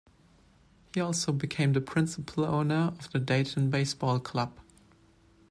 He also became the principal owner of the Dayton baseball club.